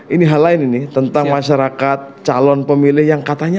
ini hal lain ini tentang masyarakat calon pemilih yang katanya